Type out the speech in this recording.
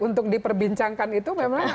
untuk diperbincangkan itu memang